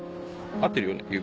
合ってるよ。